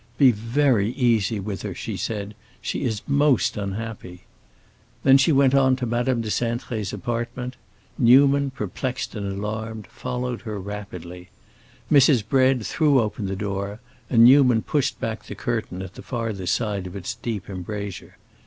"Be very easy with her," she said; "she is most unhappy!" Then she went on to Madame de Cintré's apartment; Newman, perplexed and alarmed, followed her rapidly. Mrs. Bread threw open the door, and Newman pushed back the curtain at the farther side of its deep embrasure.